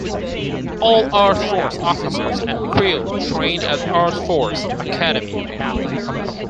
All EarthForce officers and crew train at EarthForce Academy.